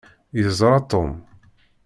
Yeẓṛa Tom?